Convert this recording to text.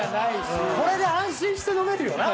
これで安心して飲めるよな。